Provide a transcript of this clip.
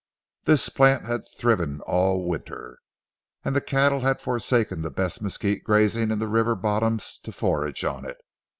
This plant had thriven all winter, and the cattle had forsaken the best mesquite grazing in the river bottoms to forage on it.